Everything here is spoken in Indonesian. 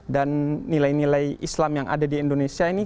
dan nilai nilai islam yang ada di indonesia ini